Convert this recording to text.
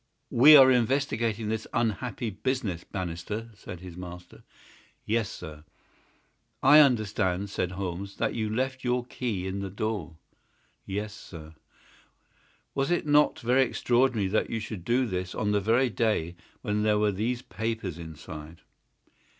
"We are investigating this unhappy business, Bannister," said his master. "Yes, sir." "I understand," said Holmes, "that you left your key in the door?" "Yes, sir." "Was it not very extraordinary that you should do this on the very day when there were these papers inside?"